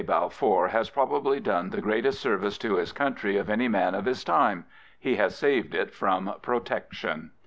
Balfour has probably done the greatest service to his country of any man of his time. He has saved it from Protection.